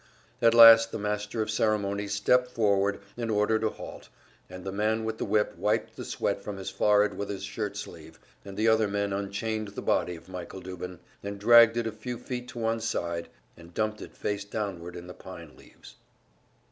At last the master of ceremonies stepped forward and ordered a halt, and the man with the whip wiped the sweat from his forehead with his shirt sleeve, and the other men unchained the body of Michael Dubin, and dragged it a few feet to one side and dumped it face downward in the pine leaves.